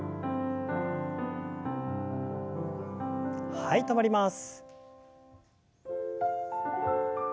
はい止まります。